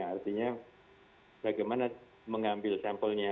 artinya bagaimana mengambil sampelnya